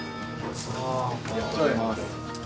ありがとうございます。